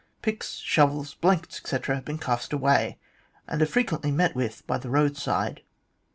Picks, shovels, blankets, etc., have been cast away, and are frequently met with by the roadside."